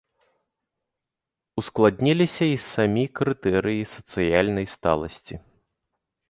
Ускладніліся і самі крытэрыі сацыяльнай сталасці.